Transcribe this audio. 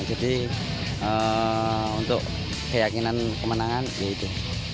jadi untuk keyakinan kemenangan ya itu